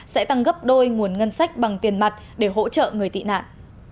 sẽ tăng gấp đôi nguồn ngân sách bằng tiền mặt để hỗ trợ người tị nạn